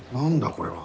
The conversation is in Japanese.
これは。